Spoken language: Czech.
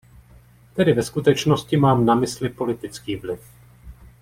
Tedy ve skutečnosti mám na mysli politický vliv.